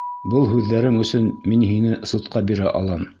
Был һүҙҙәрең өсөн мин һине судҡа бирә алам.